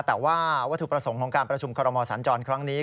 แต่ว่าวัตถุประสงค์ของการประชุมคอรมอสัญจรครั้งนี้